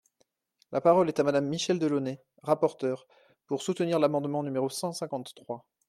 La parole est à Madame Michèle Delaunay, rapporteure, pour soutenir l’amendement numéro cent cinquante-trois.